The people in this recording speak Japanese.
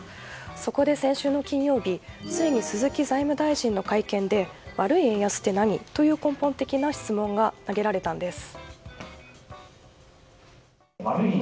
そこで先週の金曜日ついに鈴木財務大臣の会見で悪い円安って何？という根本的な質問が投げられたんです。